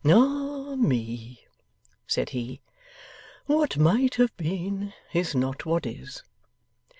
'Ah me!' said he, 'what might have been is not what is!